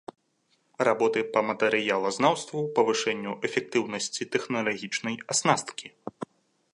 Работы па матэрыялазнаўству, павышэнню эфектыўнасці тэхналагічнай аснасткі.